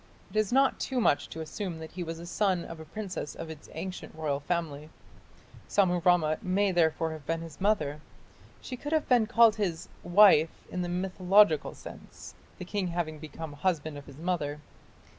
It is not too much to assume that he was a son of a princess of its ancient royal family. Sammurammat may therefore have been his mother. She could have been called his "wife" in the mythological sense, the king having become "husband of his mother".